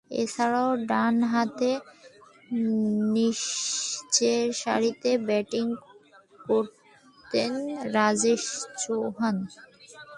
এছাড়াও, ডানহাতে নিচেরসারিতে ব্যাটিং করতেন রাজেশ চৌহান।